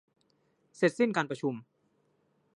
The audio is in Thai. เสร็จสิ้นการประชุม